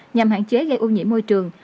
nhằm hạn chế gây ô nhiễm môi trường